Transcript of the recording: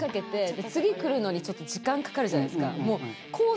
次来るのにちょっと時間かかるじゃないですか。